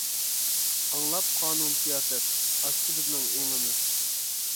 ئاڭلاپ قانۇن سىياسەت، ئاشتى بىزنىڭ ئېڭىمىز.